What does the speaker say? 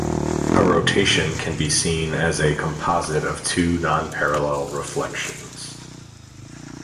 A rotation can be seen as a composite of two non-parallel reflections.